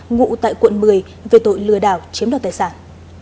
ngụ tại quận một mươi về tội lừa đảo chiếm đoạt tài sản